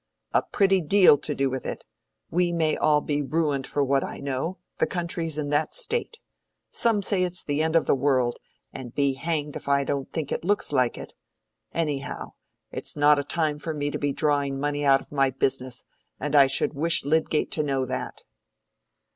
"A pretty deal to do with it! We may all be ruined for what I know—the country's in that state! Some say it's the end of the world, and be hanged if I don't think it looks like it! Anyhow, it's not a time for me to be drawing money out of my business, and I should wish Lydgate to know that."